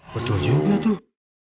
betul juga tuh